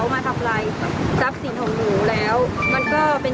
อ่าอันนี้เป็นข้อตกลงตั้งแต่แรกเลย